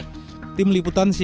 terus kita namanya demokrasi ya